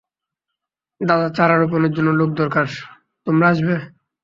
দাদার চারা রোপনের জন্য লোক দরকার তোমরা আসবে?